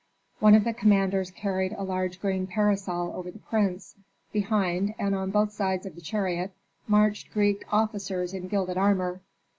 One of the commanders carried a large green parasol over the prince; behind, and on both sides of the chariot, marched Greek officers in gilded armor.